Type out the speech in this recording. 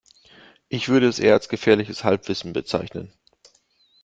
Ich würde es eher als gefährliches Halbwissen bezeichnen.